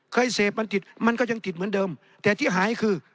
เคยเสพมันติดมันก็ยังติดเหมือนเดิมแต่ที่หายคือ